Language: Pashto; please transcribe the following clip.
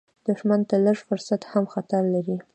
دښمن ته لږ فرصت هم خطر لري